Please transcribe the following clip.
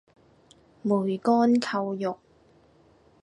梅干扣肉